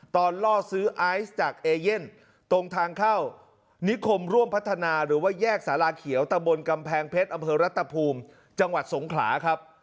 ล่อซื้อไอซ์จากเอเย่นตรงทางเข้านิคมร่วมพัฒนาหรือว่าแยกสาราเขียวตะบนกำแพงเพชรอำเภอรัตภูมิจังหวัดสงขลาครับ